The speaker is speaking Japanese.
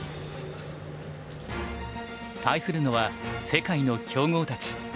対するのは世界の強豪たち。